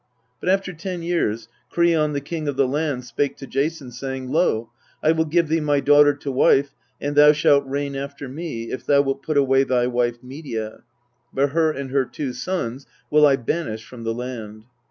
But after ten years, Kreon the king of the land spake to Jason, saying, " Lo, I will give thee my daughter to wife, and thou shall reign after me, if thou wilt put away thy wife Medea ; but her and her two sons will I banish from the land."